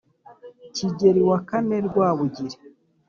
kigeli wa kane rwabugili